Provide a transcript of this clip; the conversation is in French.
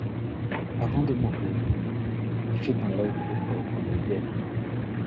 Avant de mourir, il fait un legs aux pauvres de Yenne.